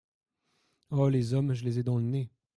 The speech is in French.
Oh ! les hommes !… je les ai dans le nez !…